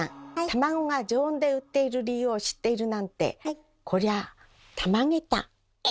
卵が常温で売っている理由を知っているなんてえっぐ！